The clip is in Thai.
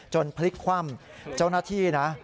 พลิกคว่ำเจ้าหน้าที่นะ